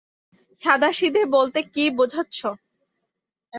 সাদাসিধে বলতে কী বোঝাচ্ছো?